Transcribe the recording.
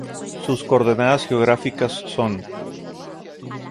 Sus coordenadas geográficas son